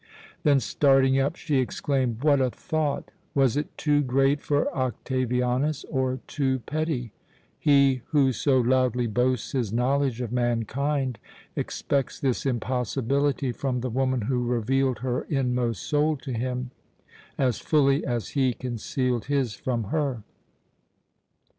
Then, starting up, she exclaimed: "What a thought! Was it too great for Octavianus, or too petty? He who so loudly boasts his knowledge of mankind expects this impossibility from the woman who revealed her inmost soul to him as fully as he concealed his from her.